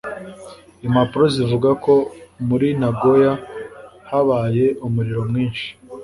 impapuro zivuga ko muri nagoya habaye umuriro mwinshi